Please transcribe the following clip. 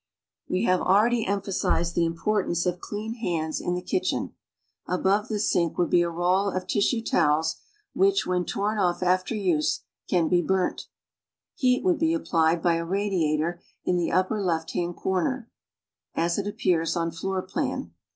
We have 18 already emphasized the importance of clean hands in the kitchen. Above this sink would be a roll of tissue towels, which, when torn oft' after use, can be burnt. Heat would be su[)plied by a radiator in the upper left hand corner (as it appears on floor plan).